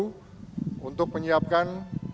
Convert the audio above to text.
dan juga untuk mencari penyelenggaraan yang berbeda